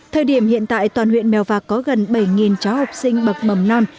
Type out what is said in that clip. thời điểm hiện tại toàn huyện mèo vạc có gần bảy cháu học sinh bậc mầm non